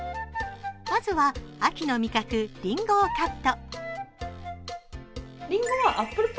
まずは秋の味覚りんごをカット。